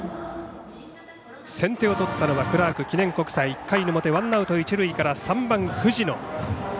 先手を取ったのはクラーク記念国際１回の表、ワンアウト一塁から３番、藤野。